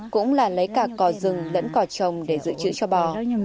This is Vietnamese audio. cũng là lấy cả cỏ rừng lẫn cỏ trồng để giữ chữ cho bò